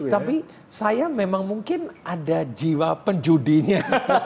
tapi saya memang mungkin ada jiwa penjudinya